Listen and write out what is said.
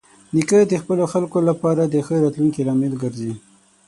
نیکه د خپلو خلکو لپاره د ښه راتلونکي لامل ګرځي.